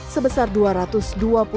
sebesar rp dua ratus